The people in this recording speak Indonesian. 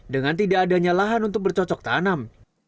dengan tidak adanya lahan untuk bercocok tanam